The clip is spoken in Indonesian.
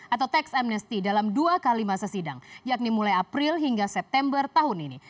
atau tax amnesty dalam dua kali masa sidang yakni mulai april hingga september tahun ini